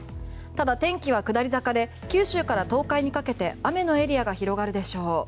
ただ、天気は下り坂で九州から東海にかけて雨のエリアが広がるでしょう。